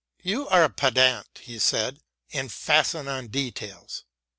"You are a pedant," he said, "and fasten on details."